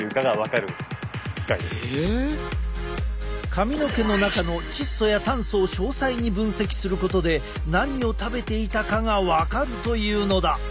髪の毛の中の窒素や炭素を詳細に分析することで何を食べていたかが分かるというのだ。